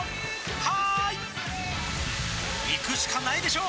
「はーい」いくしかないでしょ！